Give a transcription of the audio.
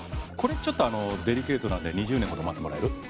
これちょっとデリケートなんで２０年ほど待ってもらえる？